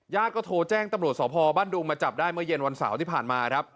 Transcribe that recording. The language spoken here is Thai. ก็โทรแจ้งตำรวจสพบ้านดุงมาจับได้เมื่อเย็นวันเสาร์ที่ผ่านมาครับ